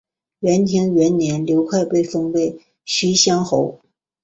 元延元年刘快被封为徐乡侯。